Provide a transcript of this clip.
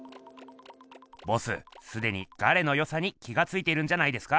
ボスすでにガレのよさに気がついているんじゃないですか？